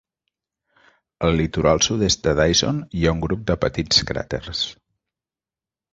Al litoral sud-est de Dyson hi ha un grup de petits cràters.